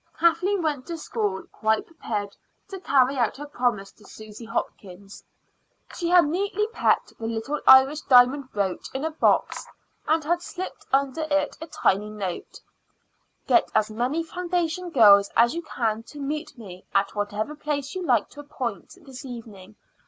Kathleen went to school quite prepared to carry out her promise to Susy Hopkins. She had neatly packed the little Irish diamond brooch in a box, and had slipped under it a tiny note: "Get as many foundation girls as you can to meet me, at whatever place you like to appoint, this evening.